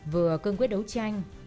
vừa cương quyết đấu tranh